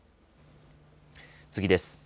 次です。